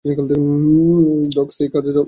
Docs এ কাছে যাও।